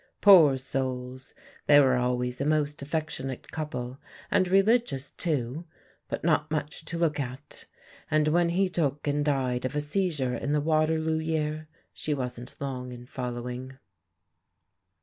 Poor souls, they were always a most affectionate couple, and religious too, but not much to look at; and when he took and died of a seizure in the Waterloo year she wasn't long in following.